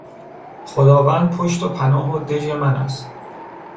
خداوند پشت و پناه و دژ من است.